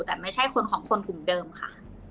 แต่ไม่ใช่คนของคนกลุ่มเดิมค่ะ